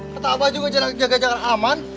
kata abah juga jaga jarak aman